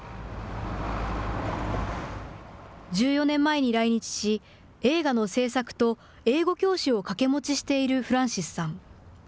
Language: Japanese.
１４年前に来日し、映画の製作と英語教師を掛け持ちしているフランシスさん。